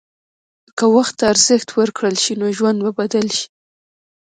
که وخت ته ارزښت ورکړل شي، نو ژوند به بدل شي.